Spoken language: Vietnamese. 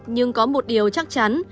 nhưng có một điều chắc chắn